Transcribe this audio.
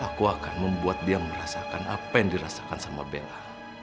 aku akan membuat dia merasakan apa yang dirasakan sama bella